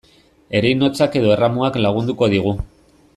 Ereinotzak edo erramuak lagunduko digu.